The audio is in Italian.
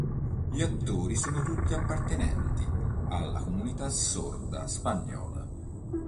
Gli attori sono tutti appartenenti alla comunità sorda spagnola.